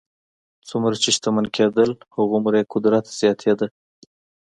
څومره چې شتمن کېدل هغومره یې قدرت زیاتېده.